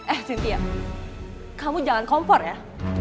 eh cynthia kamu jangan kompor ya